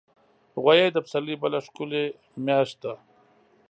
غویی د پسرلي بله ښکلي میاشت ده.